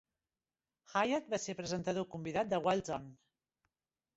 Hiatt va ser presentador convidat de Wild On!